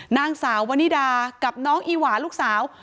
นางสาววนิดากับน้องอีหวาลูกสาว